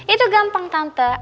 itu gampang tante